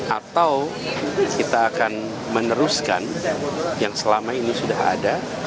atau kita akan meneruskan yang selama ini sudah ada